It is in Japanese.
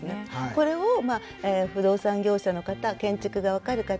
これを不動産業者の方建築が分かる方